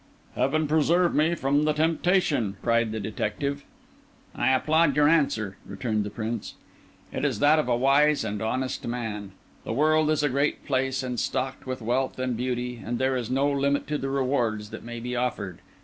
"Heaven preserve me from the temptation!" cried the detective. "I applaud your answer," returned the Prince. "It is that of a wise and honest man. The world is a great place and stocked with wealth and beauty, and there is no limit to the rewards that may be offered.